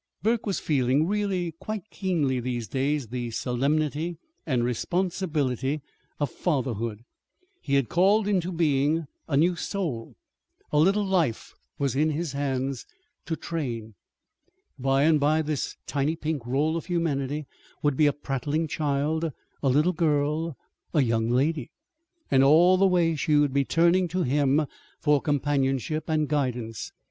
Burke was feeling really quite keenly these days the solemnity and responsibility of fatherhood. He had called into being a new soul. A little life was in his hands to train. By and by this tiny pink roll of humanity would be a prattling child, a little girl, a young lady. And all the way she would be turning to him for companionship and guidance.